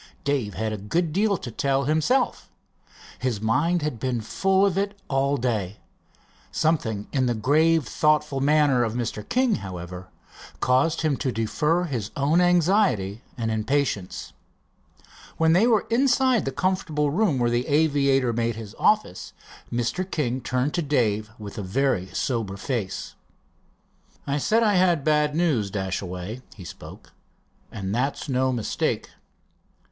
Dave had a good deal to tell himself. His mind had been full of it all day. Something in the grave, thoughtful manner of Mr. King, however, caused him to defer his own anxiety and impatience. When they were inside the comfortable room where the aviator made his office, Mr. King turned to Dave with a very sober face. "I said I had bad news, Dashaway," he spoke, "and that's no mistake."